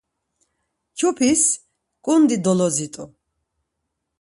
Kyupis ǩundi dolodzit̆u.